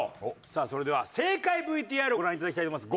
さあそれでは正解ＶＴＲをご覧いただきたいと思います。